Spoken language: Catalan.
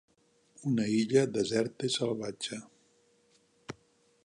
Una illa deserta i salvatge.